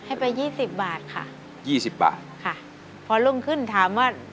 ให้ไปยี่สิบบาทค่ะยี่สิบบาทค่ะพอรุ่งขึ้นถามว่า